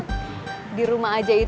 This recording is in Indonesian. kalau ada satu ruang aja lukih